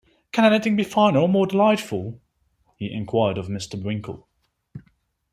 ‘Can anything be finer or more delightful?’ he inquired of Mr. Winkle.